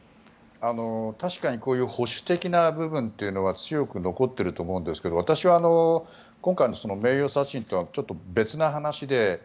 確かにこういう保守的な部分は強く残っているとは思うんですけれども私は、今回の名誉殺人とはちょっと別な話で。